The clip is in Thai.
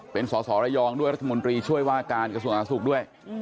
เป็นสอสอระยองด้วยรัฐมนตรีช่วยว่าการกระทรวงอาศุกร์ด้วย